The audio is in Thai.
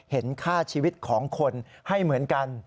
เห็นค่าชีวิตของคนให้เหมือนกัน